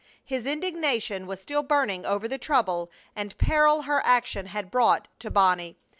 His indignation was still burning over the trouble and peril her action had brought to Bonnie.